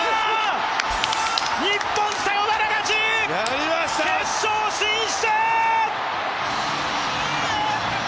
日本、サヨナラ勝ち、決勝進出！！